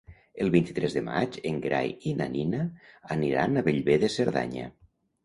El vint-i-tres de maig en Gerai i na Nina aniran a Bellver de Cerdanya.